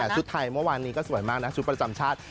ชุดไทยเมื่อวานนี้ก็สวยมากนะชุดประจำชาติ